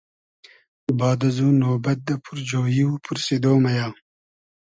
باد ازو نوبئد دۂ پورجویی و پورسیدۉ مئیۂ